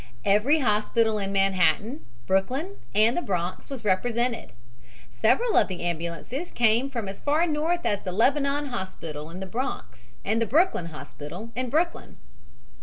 Every hospital in Manhattan, Brooklyn and the Bronx was represented. Several of the ambulances came from as far north as the Lebanon Hospital, in the Bronx, and the Brooklyn Hospital, in Brooklyn.